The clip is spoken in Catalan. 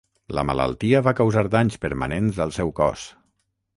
La malaltia va causar danys permanents al seu cos.